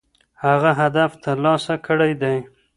هغه هدف ترلاسه کړی دی.